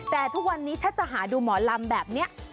แต่ทุกวันนี้ถ้าจะหาดูหมอลำแบบนี้